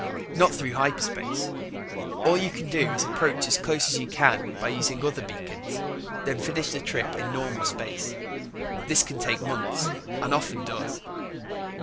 Not through hyperspace. All you can do is approach as close as you can by using other beacons, then finish the trip in normal space. This can take months, and often does.